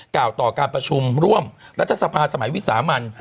กล่าวต่อการประชุมร่วมรัฐสภาสมัยวิสามัน